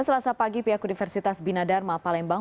selasa pagi pihak universitas bina dharma palembang